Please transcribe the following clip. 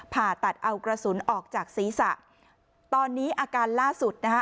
ผ่าตัดเอากระสุนออกจากศีรษะตอนนี้อาการล่าสุดนะคะ